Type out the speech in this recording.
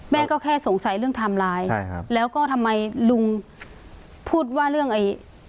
แม่ก็แค่สงสัยเรื่องไทม์ไลน์ใช่ครับแล้วก็ทำไมลุงพูดว่าเรื่องไอ้